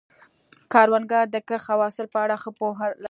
کروندګر د کښت او حاصل په اړه ښه پوهه لري